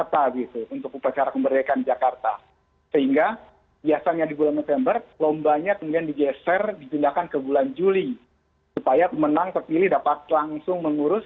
tapi biasanya ini kegiatan